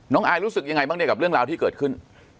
อายรู้สึกยังไงบ้างเนี่ยกับเรื่องราวที่เกิดขึ้น